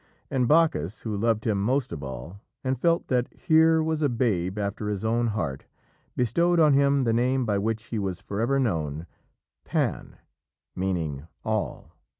And Bacchus, who loved him most of all, and felt that here was a babe after his own heart, bestowed on him the name by which he was forever known Pan, meaning All.